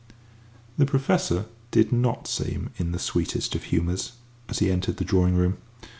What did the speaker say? The Professor did not seem in the sweetest of humours as he entered the drawing room.